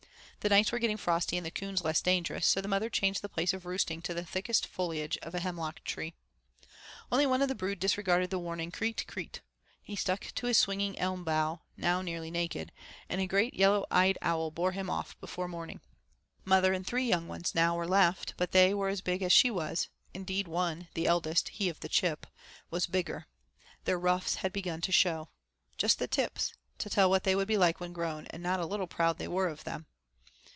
The nights were getting frosty and the coons less dangerous, so the mother changed the place of roosting to the thickest foliage of a hemlock tree. Only one of the brood disregarded the warning 'Kreet, kreet.' He stuck to his swinging elm bough, now nearly naked, and a great yellow eyed owl bore him off before morning. Mother and three young ones now were left, but they were as big as she was; indeed one, the eldest, he of the chip, was bigger. Their ruffs had begun to show. Just the tips, to tell what they would be like when grown, and not a little proud they were of them.